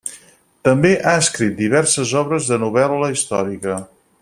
També ha escrit diverses obres de novel·la històrica.